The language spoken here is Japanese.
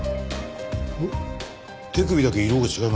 えっ手首だけ色が違いますね。